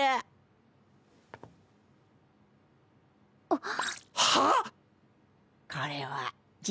あっ。